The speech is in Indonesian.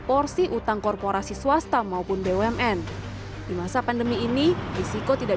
melihar pemerintah benar benar ingin membutuhkan